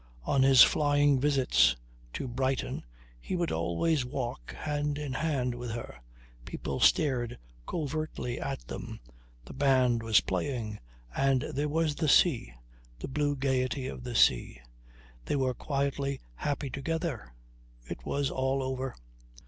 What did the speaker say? On his flying visits to Brighton he would always walk hand in hand with her. People stared covertly at them; the band was playing; and there was the sea the blue gaiety of the sea. They were quietly happy together ... It was all over!